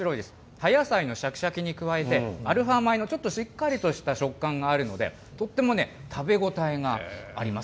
葉野菜のしゃきしゃきに加えて、アルファ米のちょっとしっかりした食感があるので、とっても食べ応えがあります。